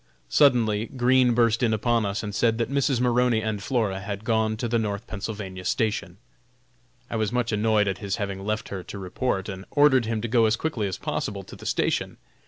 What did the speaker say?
Suddenly Green burst in upon us and said that Mrs. Maroney and Flora had gone to the North Pennsylvania station. I was much annoyed at his having left her to report and ordered him to go as quickly as possible to the station.